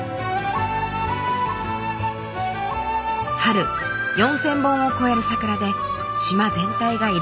春４，０００本を超える桜で島全体が彩られる。